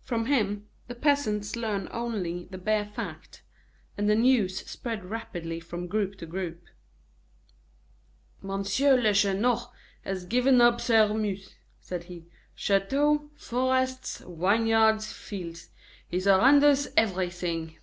From him, the peasants learned only the bare fact; and the news spread rapidly from group to group. "Monsieur Lacheneur has given up Sairmeuse," said he. "Chateau, forests, vineyards, fields he surrenders everything."